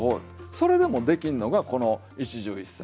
それでもできんのがこの一汁一菜。